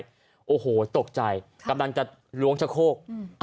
เป็นห้องสุดท้ายโอ้โหตกใจกำลังจะล้วงชะโคก